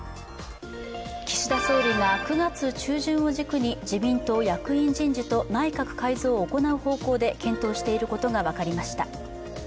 岸田総理が９月中旬を軸に自民党役員人事と内閣改造を行う方向で検討していることが分かりました。